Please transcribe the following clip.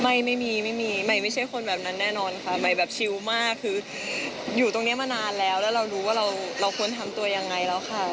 ไม่มีไม่มีใหม่ไม่ใช่คนแบบนั้นแน่นอนค่ะใหม่แบบชิลมากคืออยู่ตรงนี้มานานแล้วแล้วเรารู้ว่าเราควรทำตัวยังไงแล้วค่ะ